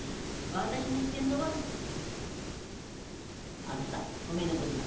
私の言っでんのはあづさおめえのことだ。